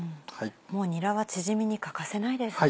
もうにらはチヂミに欠かせないですね。